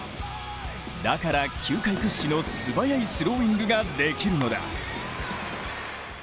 だから球界屈指の素早いスローイングができるのだ。